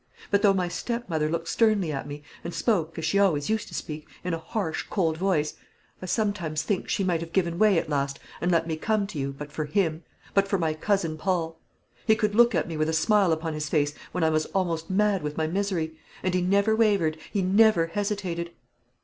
But though my stepmother looked sternly at me, and spoke, as she always used to speak, in a harsh, cold voice, I sometimes think she might have given way at last and let me come to you, but for him but for my cousin Paul. He could look at me with a smile upon his face when I was almost mad with my misery; and he never wavered; he never hesitated.